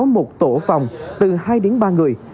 một tổ phòng từ hai đến ba người